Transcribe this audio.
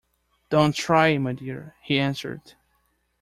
"Don't try, my dear," he answered.